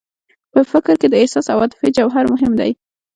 په فکر کې د احساس او عاطفې جوهر مهم دی.